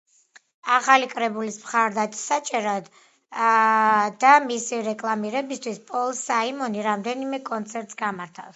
ახალი კრებულის მხარდასაჭერად და მისი რეკლამირებისთვის პოლ საიმონი რამდენიმე კონცერტს გამართავს.